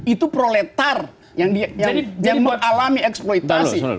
itu proletar yang mengalami eksploitasi